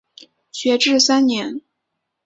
学制三年。